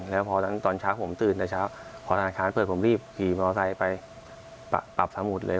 แล้วพอนั้นตอนเช้าผมตื่นแต่เช้าพอธนาคารเปิดผมรีบขี่มอไซค์ไปปรับสมุดเลย